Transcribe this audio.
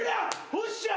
おっしゃ！